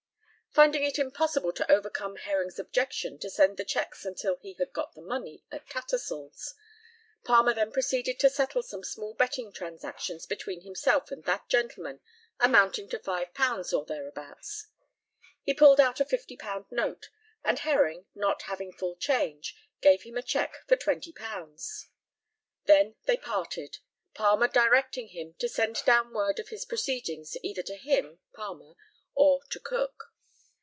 Finding it impossible to overcome Herring's objection to send the cheques until he had got the money at Tattersall's, Palmer then proceeded to settle some small betting transactions between himself and that gentleman amounting to £5, or thereabouts. He pulled out a £50 note, and Herring, not having full change, gave him a cheque for £20. They then parted, Palmer directing him to send down word of his proceedings either to him (Palmer) or to Cook.